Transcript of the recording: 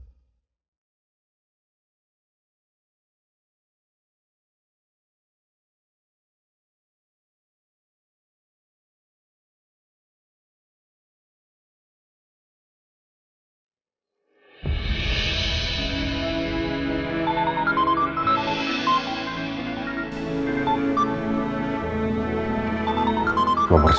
eh gak lush